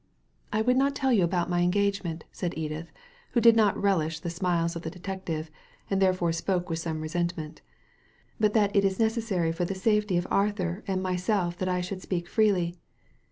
"I would not tell you about my engagement, said Edith, who did not relish the smiles of the detective, and therefore spoke with some resentment, •but that it is necessary for the safety of Arthur and myself that I should speak freely.